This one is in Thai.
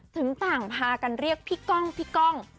ถึงต่างพากันเรียกพี่ก้องพี่ก้อง